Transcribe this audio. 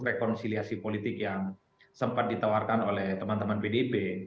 rekonsiliasi politik yang sempat ditawarkan oleh teman teman pdip